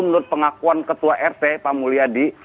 menurut pengakuan ketua rt pak mulyadi